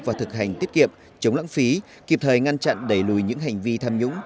và thực hành tiết kiệm chống lãng phí kịp thời ngăn chặn đẩy lùi những hành vi tham nhũng